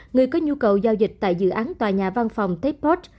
người có nhu cầu giao dịch tại dự án tòa nhà văn phòng tepot